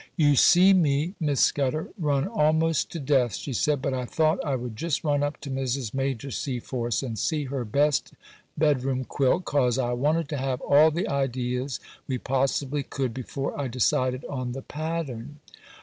'You see me, Miss Scudder, run almost to death,' she said; 'but I thought I would just run up to Mrs. Major Seaforth's and see her best bedroom quilt, 'cause I wanted to have all the ideas we possibly could before I decided on the pattern.